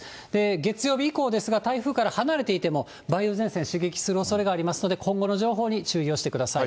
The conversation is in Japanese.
月曜日以降ですが、台風から離れていても、梅雨前線刺激するおそれがありますので今後の情報に注意をしてください。